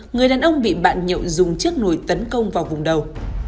người đàn ông bị bạn nhậu dùng chiếc nồi tấn công vào vùng đầu